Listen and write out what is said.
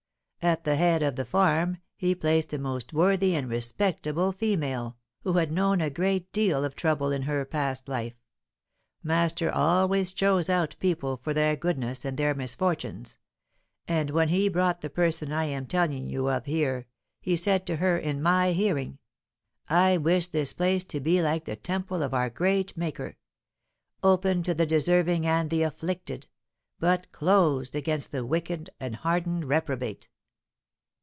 At the head of the farm he placed a most worthy and respectable female, who had known a great deal of trouble in her past life master always chose out people for their goodness and their misfortunes and, when he brought the person I am telling you of here, he said to her in my hearing, 'I wish this place to be like the Temple of our great Maker, open to the deserving and the afflicted, but closed against the wicked and hardened reprobate.'